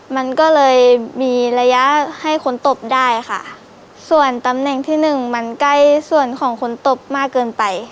มันก็เลยมีระยะให้คนตบได้ค่ะส่วนตำแหน่งที่หนึ่งมันใกล้ส่วนของคนตบมากเกินไป